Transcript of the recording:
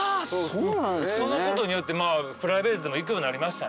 そのことによってプライベートでも行くようになりましたね。